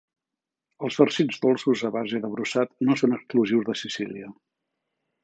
Els farcits dolços a base de brossat no són exclusius de Sicília.